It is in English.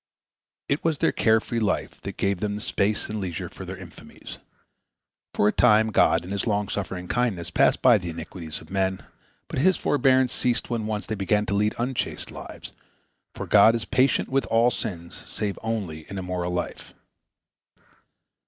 " It was their care free life that gave them space and leisure for their infamies. For a time God, in His long suffering kindness, passed by the iniquities of men, but His forbearance ceased when once they began to lead unchaste lives, for "God is patient with all sins save only an immoral life."